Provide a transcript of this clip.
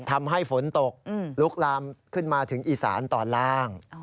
ทำให้ฝนตกลุกลามขึ้นมาถึงอีสานตอนล่าง